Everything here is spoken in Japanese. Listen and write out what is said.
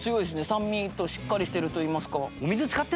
酸味しっかりしてると言いますか。